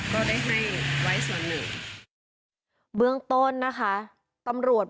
ก็ได้ให้ไว้ส่วนหนึ่งเบื้องต้นนะคะตำรวจ